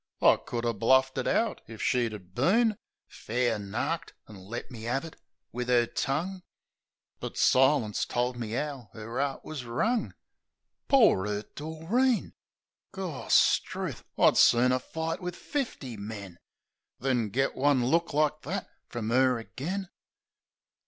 I could 'a' bluffed it out if she 'ad been Fair narked, an' let me 'ave it wiv 'er tongue ; But silence told me 'ow 'er 'eart wus wrung. Poor 'urt Doreen! Gorstruth ! I'd sooner fight wiv fifty men Than git one look like that frum 'er agen!